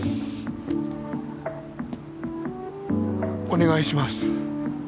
お願いします